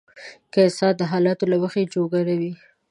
که انسان د حالاتو له مخې جوګه نه وي.